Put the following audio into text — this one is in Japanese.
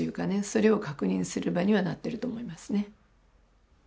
それを確認する場にはなってると思いますね。